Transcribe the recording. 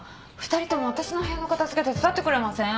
２人ともあたしの部屋の片付け手伝ってくれません？